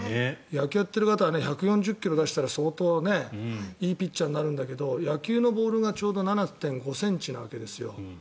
野球やっている方は１４０ｋｍ出したら相当、いいピッチャーになるんだけど野球のボールがちょうど７．５ｃｍなわけですよ。